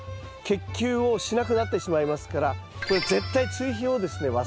結球をしなくなってしまいますからこれ絶対追肥をですね